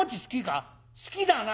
好きだな？